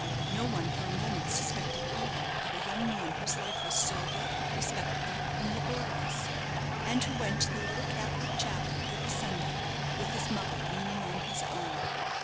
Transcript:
No one for a moment suspected evil of a young man whose life was sober, respectable, and laborious, and who went to the little Catholic chapel every Sunday, with his mother leaning on his arm.